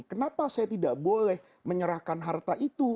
kenapa saya tidak boleh menyerahkan harta itu